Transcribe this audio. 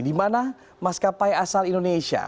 di mana maskapai asal indonesia